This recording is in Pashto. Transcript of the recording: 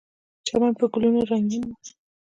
چمن په ګلونو رنګین و.